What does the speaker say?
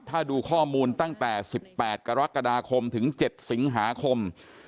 ถ้าดูข้อมูลตั้งแต่๑๘กรกฎาคมถึง๗สิงหาคม